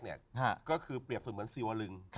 มันก็คือเปรียบว่าสีวลึง